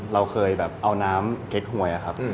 เราเคยแบบเอาน้ำเก็ตหวยอะครับ